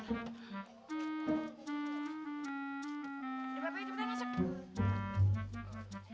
gak apa apa dimana masuk